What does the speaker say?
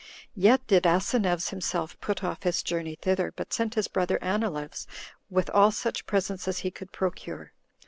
Yet did Asineus himself put off his journey thither, but sent his brother Anileus with all such presents as he could procure.